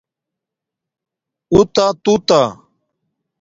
اُتاتُوتݳ